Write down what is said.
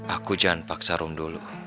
aku jangan paksa rum dulu